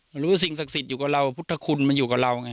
รู้สิ่งศักดิ์สิทธิ์อยู่กับเราพุทธคุณมันอยู่กับเราไง